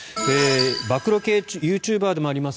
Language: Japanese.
暴露系ユーチューバーでもあります